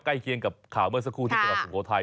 ใกล้เคียงกับข่าวเมื่อสักครู่ที่กำลังสงโลไทย